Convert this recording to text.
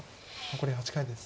残り８回です。